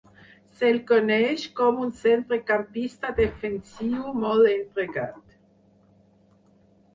Se'l coneix com un centrecampista defensiu molt entregat.